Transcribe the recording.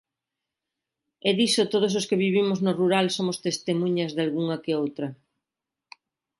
E diso todos os que vivimos no rural somos testemuñas dalgunha que outra.